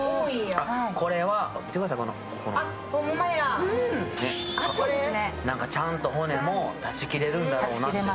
これは、何かちゃんと骨も断ち切れるんだろうなっていう。